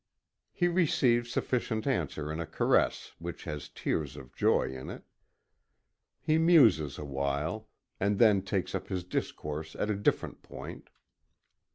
He receives sufficient answer in a caress which has tears of joy in it. He muses a while, and then takes up his discourse at a different point.